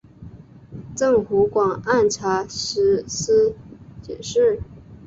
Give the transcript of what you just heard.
赠湖广按察使司佥事。